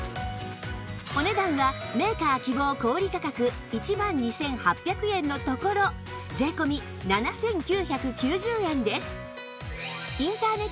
お値段はメーカー希望小売価格１万２８００円のところ税込７９９０円です